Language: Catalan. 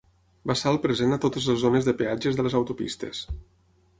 Bassal present a totes les zones de peatges de les autopistes.